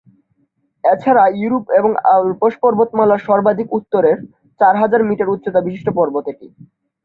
এছাড়া ইউরোপ এবং আল্পস পর্বতমালার সর্বাধিক উত্তরের চার হাজার মিটার উচ্চতাবিশিষ্ট পর্বত এটি।